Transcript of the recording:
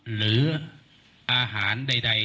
หรืออาหารใด